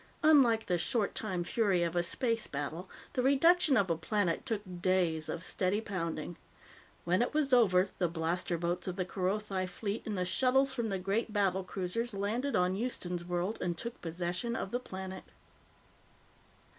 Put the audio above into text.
Unlike the short time fury of a space battle, the reduction of a planet took days of steady pounding. When it was over, the blaster boats of the Kerothi fleet and the shuttles from the great battle cruisers landed on Houston's World and took possession of the planet.